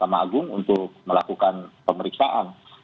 ketua makam agung untuk melakukan pemeriksaan